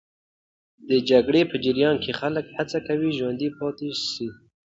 د جګړې په جریان کې خلک هڅه کوي ژوندي پاتې سي.